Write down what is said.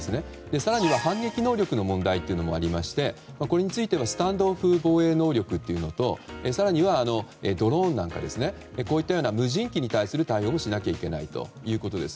更には反撃能力の問題もありまして、これについてはスタンドオフ防衛能力というのと更にはドローンなんかの無人機に対応をしなきゃいけないということです。